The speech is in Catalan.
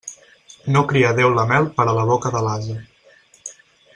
No crià Déu la mel per a la boca de l'ase.